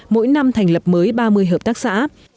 mỗi năm thành lập mới ba mươi hợp tác xã